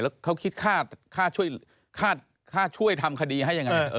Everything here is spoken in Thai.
แล้วเขาคิดค่าช่วยทำคดีให้ยังไง